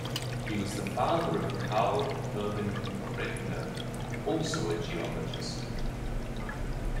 He was the father of Carl Hermann Credner, also a geologist.